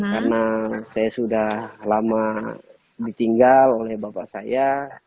karena saya sudah lama ditinggal oleh bapak saya